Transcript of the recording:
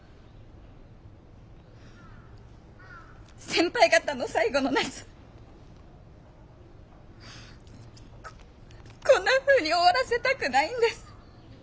先輩方の最後の夏こんなふうに終わらせたくないんです。